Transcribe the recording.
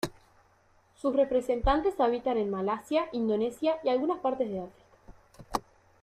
Sus representantes habitan en Malasia, Indonesia y algunas partes de África.